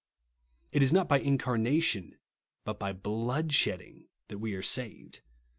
It is not by incarnation but by hlood f^hedding that we are saved.